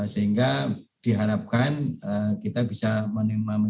sehingga diharapkan kita bisa menerima